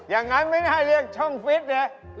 อย่างนั้นไม่น่าเรียกช่องฟิตเลย